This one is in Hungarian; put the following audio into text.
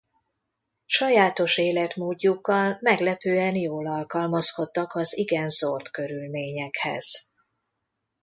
Sajátos életmódjukkal meglepően jól alkalmazkodtak az igen zord körülményekhez.